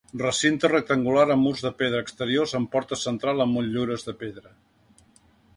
Recinte rectangular amb murs de pedra exteriors amb porta central amb motllures de pedra.